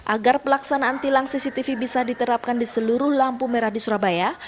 agar pelaksanaan tilang cctv bisa diterapkan di seluruh lampu merah di surabaya